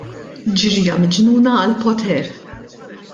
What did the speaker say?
Ġirja miġnuna għall-poter.